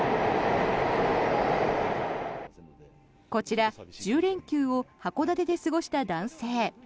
こちら、１０連休を函館で過ごした男性。